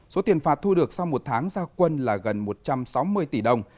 số tiền phạt thu được sau một tháng gia quân là gần một trăm sáu mươi tỷ đồng